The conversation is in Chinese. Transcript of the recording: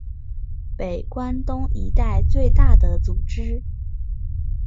北关东一带最大组织。